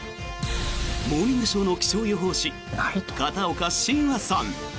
「モーニングショー」の気象予報士、片岡信和さん。